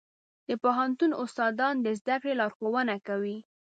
د پوهنتون استادان د زده کړې لارښوونه کوي.